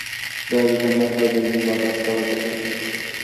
دا دی د مرګ; و دایمي محبس ته ودرېدم ;